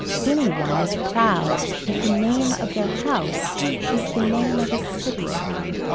Any one is proud if the name of their house is the name of a city.